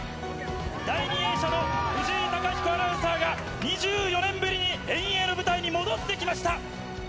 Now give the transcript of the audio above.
第２泳者の藤井貴彦アナウンサーが、２４年ぶりに遠泳の舞台に戻ってきました。